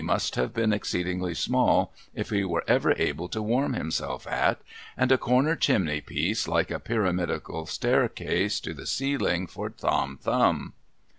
must have been exceedingly small if he were ever able to warm himself at, and a corner chimney piece like a pyramidal staircase to the ceiling for Tom Thumb.